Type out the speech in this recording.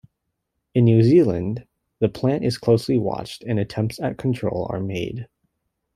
In New Zealand, the plant is closely watched and attempts at control are made.